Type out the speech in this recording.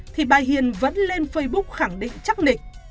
thì bà hiền vẫn lên facebook khẳng định chắc lịch